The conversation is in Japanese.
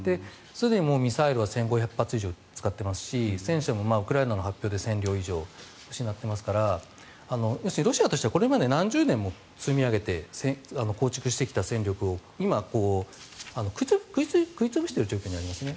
すでにミサイルは１５００発以上使っていますし戦車もウクライナの発表で１０００両以上失っていますから要するにロシアとしてはこれまで何十年も積み上げて構築してきた戦力を今、食い潰している状況にありますね。